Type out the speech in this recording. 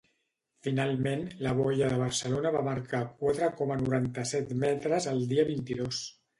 Finalment, la boia de Barcelona va marcar quatre coma noranta-set metres el dia vint-i-dos.